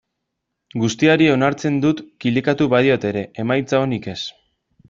Guztiari onartzen dut klikatu badiot ere, emaitza onik ez.